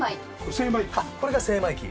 これが精米機。